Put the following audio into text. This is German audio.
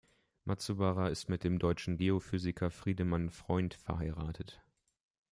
Matsubara ist mit dem deutschen Geophysiker Friedemann Freund verheiratet.